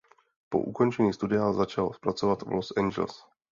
Po ukončení studia začal pracovat v Los Angeles.